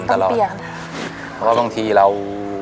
เพราะบางทีเรา